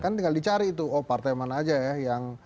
kan tinggal dicari itu oh partai mana aja ya